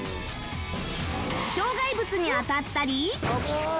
障害物に当たったり